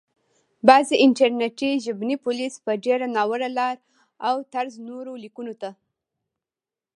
بعضي انټرنټي ژبني پوليس په ډېره ناوړه لاره او طرز نورو ليکونکو ته